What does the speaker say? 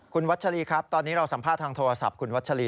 คุณวัชรีครับตอนนี้เราสัมภาษณ์ทางโทรศัพท์คุณวัชลี